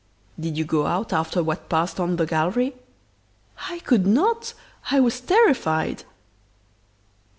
"'Did you go out after what passed on the gallery?' "'I could not! I was terrified.